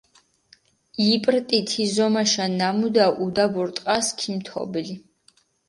იპრტი თი ზომაშა ნამუდა, უდაბურ ტყას ქიმთობლი.